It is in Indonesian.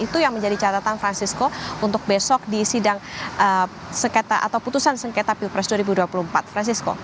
itu yang menjadi catatan francisco untuk besok di sidang atau putusan sengketa pilpres dua ribu dua puluh empat francisco